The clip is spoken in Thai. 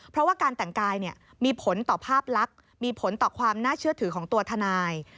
เพราะว่าการแต่งกายมีผลต่อภาพลักษณ์มีผลต่อความน่าเชื่อถือของตัวทนาย